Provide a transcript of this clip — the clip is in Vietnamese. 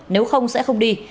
nếu không sẽ không đi